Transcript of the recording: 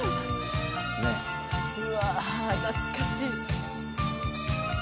うわあ、懐かしい。